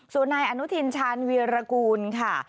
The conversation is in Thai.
ส่วนนายอนุทินชาญวีรกูลค่ะ